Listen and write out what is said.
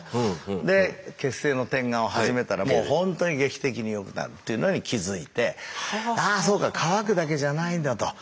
で血清の点眼を始めたらもう本当に劇的によくなるというのに気付いてああそうか乾くだけじゃないんだと。